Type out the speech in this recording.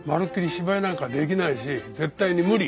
芝居なんか出来ないし絶対に無理。